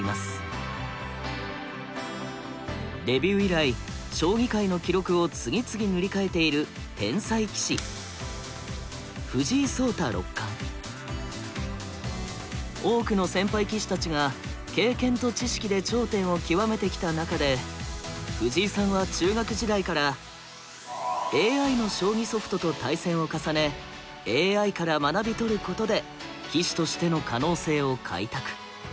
デビュー以来将棋界の記録を次々塗り替えている天才棋士多くの先輩棋士たちが経験と知識で頂点を極めてきた中で藤井さんは中学時代からＡＩの将棋ソフトと対戦を重ねＡＩから学び取ることで棋士としての可能性を開拓。